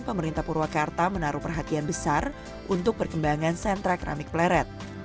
pemerintah purwakarta menaruh perhatian besar untuk perkembangan sentra keramik pleret